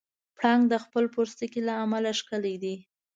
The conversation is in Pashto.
پړانګ د خپل پوستکي له امله ښکلی دی.